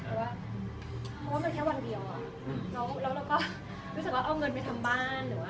แต่ว่ามันแค่วันเดียว